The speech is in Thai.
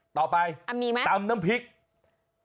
ต่อไปตำน้ำพริกมีมั้ย